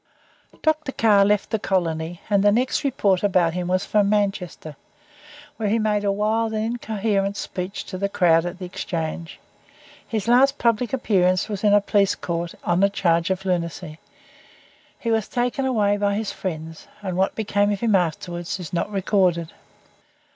Dr. Carr left the colony, and the next report about him was from Manchester, where he made a wild and incoherent speech to the crowd at the Exchange. His last public appearance was in a police court on a charge of lunacy. He was taken away by his friends, and what became of him afterwards is not recorded.